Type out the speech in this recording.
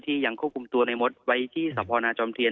ยังควบคุมตัวในมดไว้ที่สพนาจอมเทียน